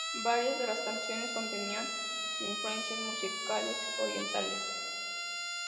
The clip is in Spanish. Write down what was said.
Varias de las canciones contenían influencias musicales orientales.